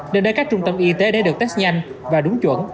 nên đến các trung tâm y tế để được test nhanh và đúng chuẩn